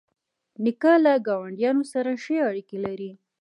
نیکه له ګاونډیانو سره ښې اړیکې لري.